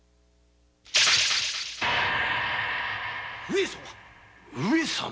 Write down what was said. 上様？